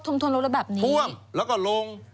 ท่วมและลง